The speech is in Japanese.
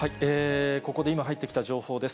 ここで今、入ってきた情報です。